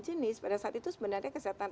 jenis pada saat itu sebenarnya kesehatan